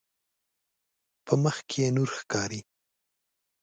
په مخ کې نور ښکاري.